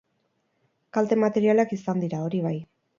Kalte materialak izan dira, hori bai.